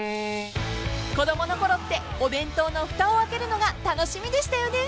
［子供のころってお弁当のふたを開けるのが楽しみでしたよね］